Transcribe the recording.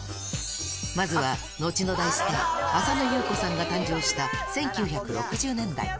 まずは、後の大スター、浅野ゆう子さんが誕生した１９６０年代。